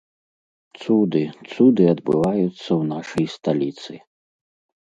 Цуды, цуды адбываюцца ў нашай сталіцы.